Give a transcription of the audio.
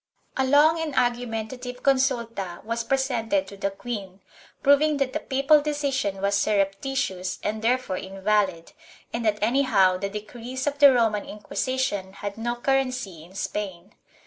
A long and argumentative consulta was presented to the queen, proving that the papal decision was surreptitious and therefore invalid, and that anyhow the decrees CHAP. IV] THE SPIRITUAL COURTS 503 of the Roman Inquisition had no currency in Spain.